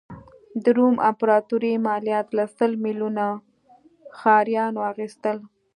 د روم امپراتوري مالیات له سل میلیونه ښاریانو اخیستل.